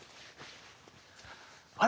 あれ？